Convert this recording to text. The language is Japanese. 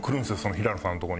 平野さんのとこに。